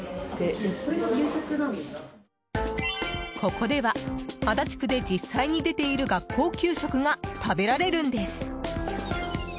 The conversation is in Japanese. ここでは足立区で実際に出ている学校給食が食べられるんです。